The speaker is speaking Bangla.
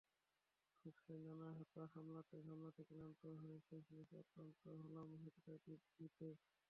সংসারের নানা হ্যাপা সামলাতে সামলাতে ক্লান্ত হয়ে শেষমেশ আক্রান্ত হলাম হ্যাপাটাইটিস বি-তে।